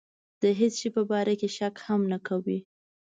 د هېڅ شي په باره کې شک هم نه کوي.